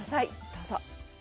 どうぞ。